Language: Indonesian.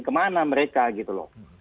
kemana mereka gitu loh